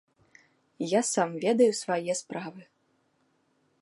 Я сам ведаю свае справы.